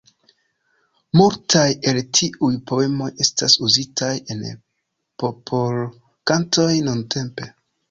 Multaj el tiuj poemoj estas uzitaj en popolkantoj nuntempe.